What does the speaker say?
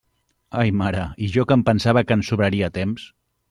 Ai mare, i jo que em pensava que ens sobraria temps.